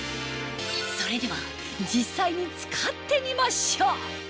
それでは実際に使ってみましょう